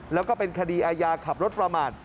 แล้วก็เป็นคดีอาญาขับรถประมาท